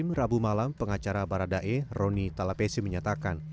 pak ariefir abu malam pengacara baradae roni talapesi menyatakan